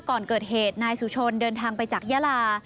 ก่อนเกิดเหตุนายสุชนเดินทางไปจากยาลา